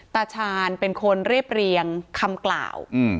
ตาชาญเป็นคนเรียบเรียงคำกล่าว